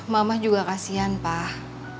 mama juga kasian pak